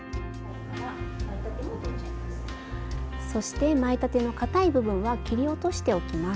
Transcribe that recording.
そして前立てのかたい部分は切り落としておきます。